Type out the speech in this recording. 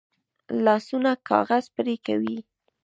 لاسونه کاغذ پرې کوي